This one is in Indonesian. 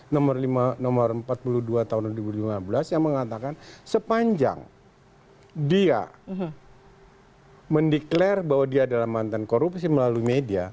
nomor empat puluh dua tahun dua ribu lima belas yang mengatakan sepanjang dia mendeklarasi bahwa dia adalah mantan korupsi melalui media